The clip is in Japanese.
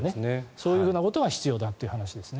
そういうことが必要だという話ですね。